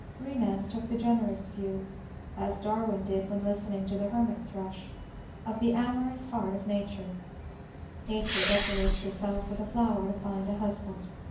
Benan took the generous view — as Darwin did when listening to the hermit thrush — of the amorous heart of nature: ^'Nature decorates herself with a flower to find a husband."